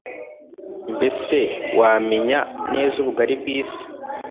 mbese wamenya neza ubugari bw’isi’